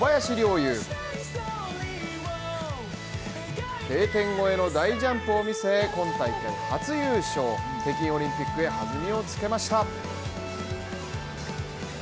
侑Ｋ点越えの大ジャンプを見せ、今大会初優勝、北京オリンピックへ弾みをつけました。